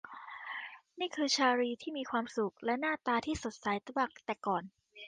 นี่คือชาร์ลีย์ที่มีความสุข และหน้าตาที่สดใสกว่าแต่ก่อน